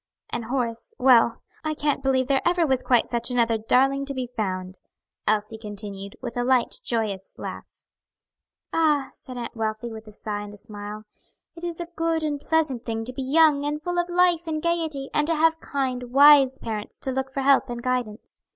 And Horace well, I can't believe there ever was quite such another darling to be found," Elsie continued, with a light, joyous laugh. "Ah!" said Aunt Wealthy with a sigh and a smile, "it is a good and pleasant thing to be young and full of life and gayety, and to have kind, wise parents to look to for help and guidance.